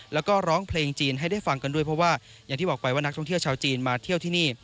แล้วก็ร้องเพลงจีนให้ได้ฟังกันด้วยเพราะว่าอย่างที่บอกไปว่านักท่องเที่ยวชาวจีนมาเที่ยวที่นี่